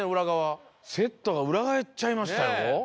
セットが裏返っちゃいましたよ。